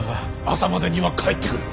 朝までには帰ってくる。